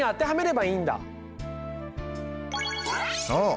そう。